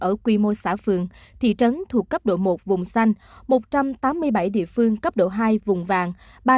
ở quy mô xã phường thị trấn thuộc cấp độ một vùng xanh một trăm tám mươi bảy địa phương cấp độ hai vùng vàng